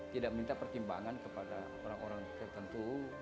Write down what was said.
tidak minta pertimbangan kepada orang orang tertentu